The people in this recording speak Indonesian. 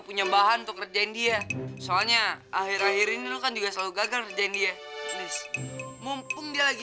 punya bahan untuk rezeki ya soalnya akhir akhir ini kan juga selalu gagal jenye mumpung dia lagi